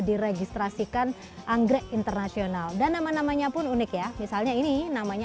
diregistrasikan anggrek internasional dan nama namanya pun unik ya misalnya ini namanya